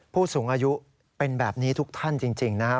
ผู้สูงอายุเป็นแบบนี้ทุกท่านจริงนะครับ